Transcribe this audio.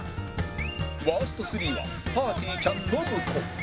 ワースト３はぱーてぃーちゃん信子